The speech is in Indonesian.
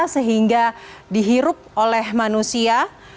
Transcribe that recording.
sehingga dihirup oleh manusia